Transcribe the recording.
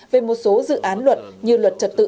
về một số dự án luật như luật trật tự